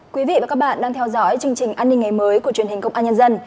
quý vị và các bạn đang theo dõi chương trình an ninh ngày mới của truyền hình công an nhân dân